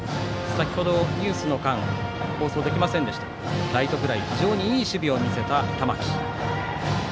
先程、ニュースの間放送できませんでしたがライトフライで非常にいい守備を見せた玉木。